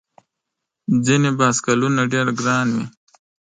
ځینې بایسکلونه ډېر ګران وي.